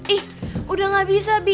ih udah gak bisa by